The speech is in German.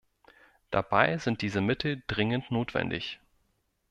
Dabei sind diese Mittel dringend notwendig!